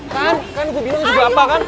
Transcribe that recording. kan kan gue bilang juga apa kan